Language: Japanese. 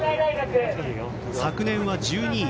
昨年は１２位。